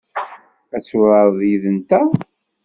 Ad turareḍ yid-nteɣ?